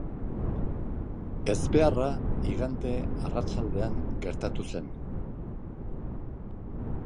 Ezbeharra igande arratsaldean gertatu zen.